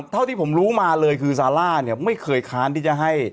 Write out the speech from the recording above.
เท่าที่ผมรู้มาเลยคือซาร่าเนี่ยไม่เคยค้านที่จะให้